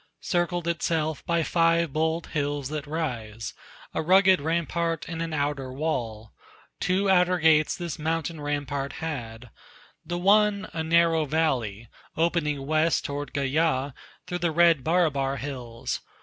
Circled itself by five bold hills that rise, A rugged, rampart and an outer wall. Two outer gates this mountain rampart had, The one a narrow valley opening west Toward Gaya, through the red Barabar hills.